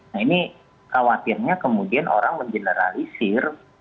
nah ini khawatirnya kemudian orang mengeneralisir